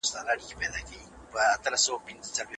هلک د انا پښې په خپلو منګولو کې ټینګې ونیولې.